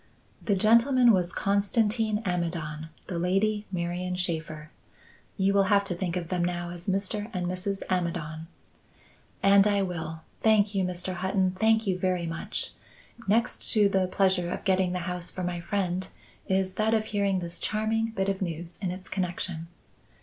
"The gentleman was Constantin Amidon; the lady, Marian Shaffer. You will have to think of them now as Mr. and Mrs. Amidon." "And I will. Thank you, Mr. Hutton, thank you very much. Next to the pleasure of getting the house for my friend, is that of hearing this charming bit of news its connection."